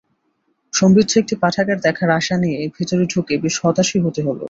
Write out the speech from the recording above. সমৃদ্ধ একটি পাঠাগার দেখার আশা নিয়ে ভেতরে ঢুকে বেশ হতাশই হতে হলো।